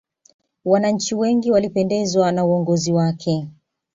wananchi wengi walipendezwa na uongozi wake